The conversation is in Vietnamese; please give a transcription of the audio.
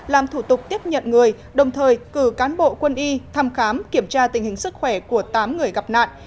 làm thủ tục tiếp nhận người đồng thời cử cán bộ quân y thăm khám kiểm tra tình hình sức khỏe của tám người gặp nạn